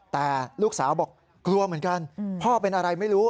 แต่ลูกสาวบอกกลัวเหมือนกันพ่อเป็นอะไรไม่รู้